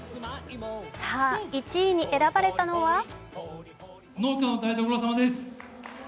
さあ、１位に選ばれたのは？